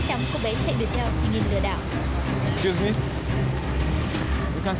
tao đi đổi người khác